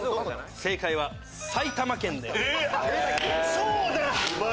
・そうだ！